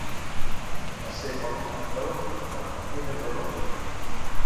Per a ser bon cavador, no cal patir de dolor.